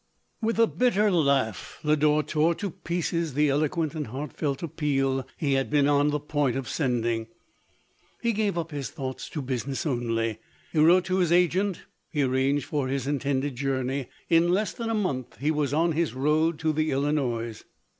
199 With a bitter laugh Lodore tore to pieces the eloquent and heartfelt appeal he had been on the ])oint of sending ; he gave up his thoughts to business only ; he wrote to his agent, he ar ranged for his intended journey ; in less than a month he was on his road to the Illinois.